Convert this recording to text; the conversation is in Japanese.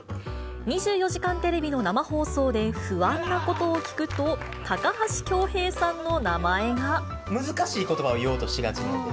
２４時間テレビの生放送で不安なことを聞くと、難しいことばを言おうとしがちなんで。